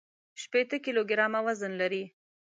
شپېته کيلوګرامه وزن لري.